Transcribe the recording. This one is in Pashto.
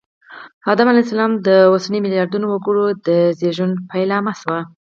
آدم علیه السلام د اوسنیو ملیاردونو وګړو د زېږون پیلامه شوه